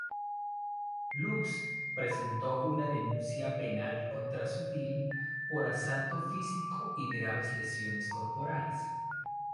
Lux presentó una denuncia penal contra Sutil por asalto físico y graves lesiones corporales.